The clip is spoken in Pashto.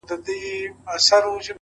• لكه ملا؛